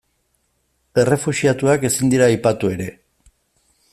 Errefuxiatuak ezin dira aipatu ere.